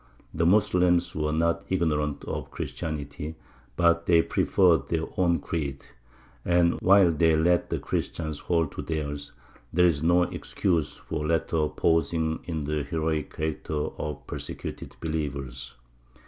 The Moslems were not ignorant of Christianity, but they preferred their own creed; and while they let the Christians hold to theirs, there was no excuse for the latter posing in the heroic character of persecuted believers.